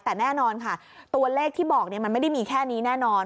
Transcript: แต่แน่นอนค่ะตัวเลขที่บอกมันไม่ได้มีแค่นี้แน่นอน